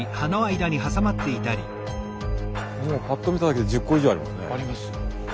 ぱっと見ただけで１０個以上ありますね。